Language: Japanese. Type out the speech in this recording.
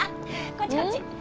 こっちこっち！